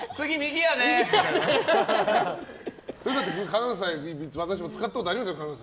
関西で私も使ったことありますよ。